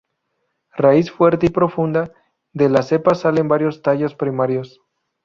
Raíz fuerte y profunda, de la cepa salen varios tallos primarios.